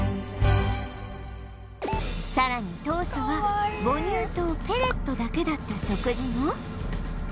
さらに当初は母乳とペレットだけだった食事も